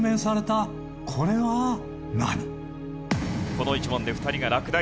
この１問で２人が落第。